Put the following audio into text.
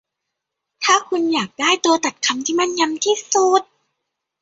ถ้าคุณอยากได้ตัวตัดคำที่แม่นยำที่สุด